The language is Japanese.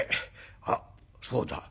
あっそうだ。